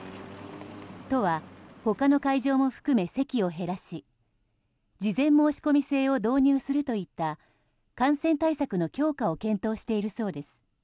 都は、他の会場も含め席を減らし事前申込制を導入するといった感染対策の強化を検討しているそうです。